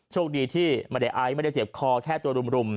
โชคดีที่ไม่ได้ไอซ์ไม่ได้เจ็บคอแค่ตัวรุม